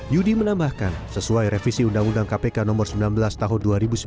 yudi menambahkan sesuai revisi undang undang kpk nomor sembilan belas tahun dua ribu sembilan belas